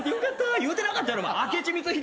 言うてなかったやろ。